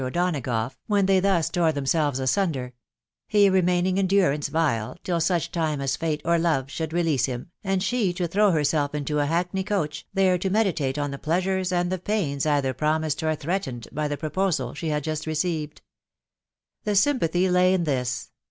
O'Donagough when they thus tore themselves asunder > ha remaining in durance vile till such time as fate or love, should release him, and she to throw herself into a hackney coach, there to meditate on the pleasures and the pains either pro* mised or threatened by the proposal she had just received* The sympathy lay in this,